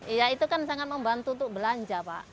iya itu kan sangat membantu untuk belanja pak